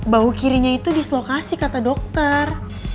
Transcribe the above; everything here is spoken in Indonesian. bau kirinya itu dislokasi kata dokter